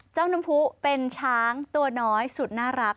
เจ้าน้ำพุเป็นช้างตัวน้อยสุดน่ารัก